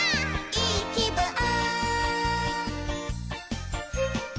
「いいきぶん！」